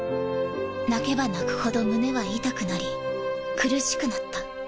泣けば泣くほど胸は痛くなり苦しくなった。